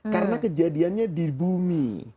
karena kejadiannya di bumi